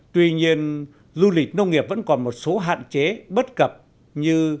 tuy nhiên du lịch nông nghiệp vẫn còn một số hạn chế bất cập như